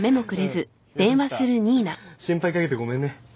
心配かけてごめんね。